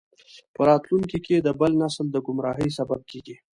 په راتلونکي کې د بل نسل د ګمراهۍ سبب کیږي.